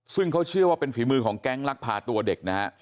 ซึ่งเขาเชื่อว่าเป็นฝีมือของแก๊งลักพาตัวเด็กนะฮะ